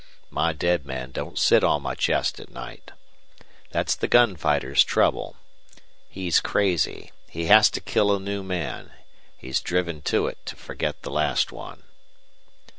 My dead men don't sit on my chest at night. That's the gun fighter's trouble. He's crazy. He has to kill a new man he's driven to it to forget the last one."